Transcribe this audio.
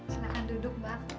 silahkan duduk mbak